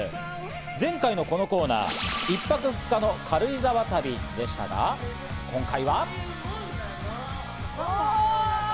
前回のこのコーナー、１泊２日の軽井沢旅でしたが、今回は。